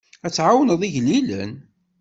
Ad tɛawneḍ igellilen.